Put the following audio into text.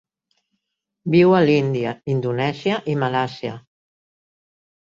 Viu a l'Índia, Indonèsia i Malàisia.